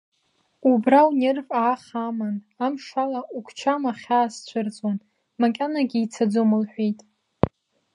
Убра унерв ааха аман, амшала угәчама ахьаа азцәырҵуан, макьанагьы ицаӡом лҳәеит.